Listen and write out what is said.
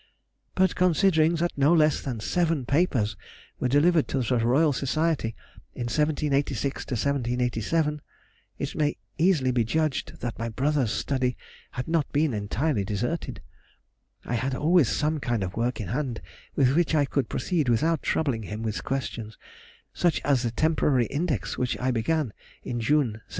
But considering that no less than seven papers were delivered to the Royal Society in 1786 1787, it may easily be judged that my brother's study had not been entirely deserted. I had always some kind of work in hand with which I could proceed without troubling him with questions; such as the temporary index which I began in June, 1787.